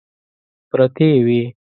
پرتې وې.